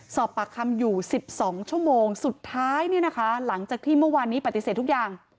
สอบปากคำอยู่๑๒ชั่วโมงสุดท้ายเนี่ยนะคะหลังจากที่เมื่อวานนี้ปฏิเสธทุกอย่าง